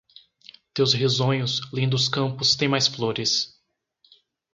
Teus risonhos, lindos campos têm mais flores